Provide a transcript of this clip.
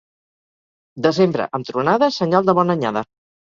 Desembre amb tronada, senyal de bona anyada.